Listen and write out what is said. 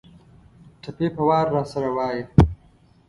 ټپې په وار راسره وايه